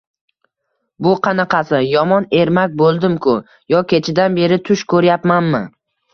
Bu qanaqasi? Yomon ermak bo‘ldim-ku! Yo kechadan beri tush ko‘ryapmanmi?